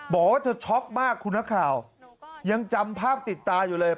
บอกว่าเธอช็อกมากคุณนักข่าวยังจำภาพติดตาอยู่เลย